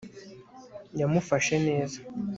yamufashe neza